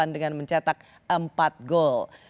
dengan mencetak empat gol